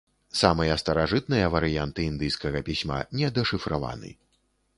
Самыя старажытныя варыянты індыйскага пісьма не дэшыфраваны.